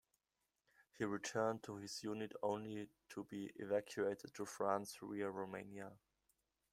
He returned to his unit only to be evacuated to France via Romania.